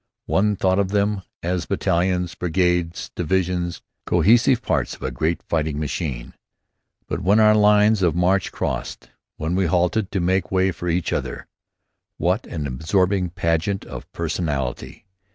One thought of them as battalions, brigades, divisions, cohesive parts of a great fighting machine. But when our lines of march crossed, when we halted to make way for each other, what an absorbing pageant of personality!